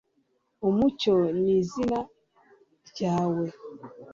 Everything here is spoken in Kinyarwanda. umucyo ni izina ryawe